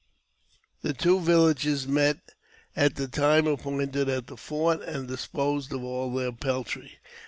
The two villages met at the time appointed at the fori, and disposed of all their peltry.